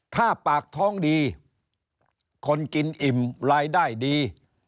ถ้าปากท้องดีคนกินอิ่มรายได้ดี